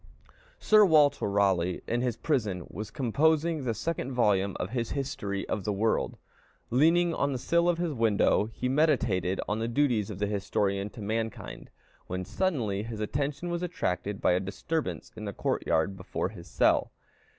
Sir Walter Raleigh, in his prison, was composing the second volume of his History of the World. Leaning on the sill of his window, he meditated on the duties of the historian to mankind, when suddenly his attention was attracted by a disturbance in the court yard before his cell.